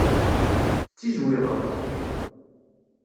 Tettizwiɣeḍ?